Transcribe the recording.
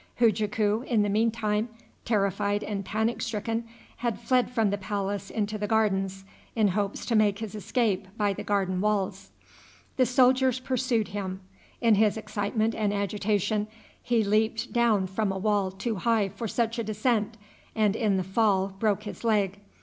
Hujaku, in the mean time, terrified and panic stricken, had fled from the palace into the gardens, in hopes to make his escape by the garden walls. The soldiers pursued him. In his excitement and agitation he leaped down from a wall too high for such a descent, and, in his fall, broke his leg.